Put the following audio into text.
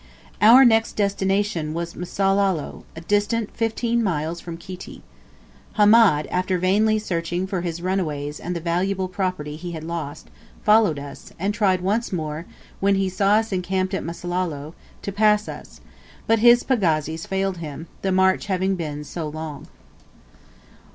Our next destination was Msalalo, distant fifteen miles from Kiti. Hamed, after vainly searching for his runaways and the valuable property he had lost, followed us, and tried once more, when he saw us encamped at Msalalo, to pass us; but his pagazis failed him, the march having been so long.